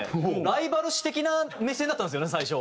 ライバル視的な目線だったんですよね最初。